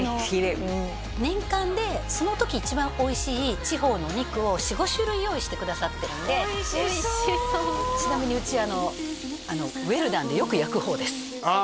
年間でその時一番おいしい地方のお肉を４５種類用意してくださってるんでちなみにうちウエルダンでよく焼く方です